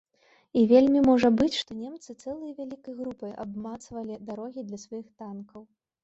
І вельмі можа быць, што немцы цэлай вялікай групай абмацвалі дарогі для сваіх танкаў.